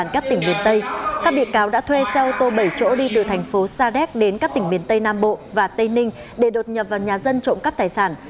các bị cáo đã thuê xe ô tô bảy chỗ đi từ thành phố sa đéc đến các tỉnh miền tây nam bộ và tây ninh để đột nhập vào nhà dân trộm cắp tài sản